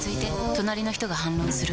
隣の人が反論する。